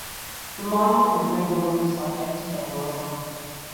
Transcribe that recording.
The monument is regularly subject to vandalism.